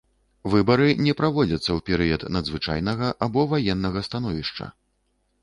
Выбары не праводзяцца ў перыяд надзвычайнага або ваеннага становішча.